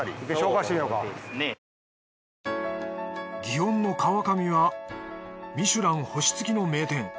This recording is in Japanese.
祇園の川上はミシュラン星付きの名店。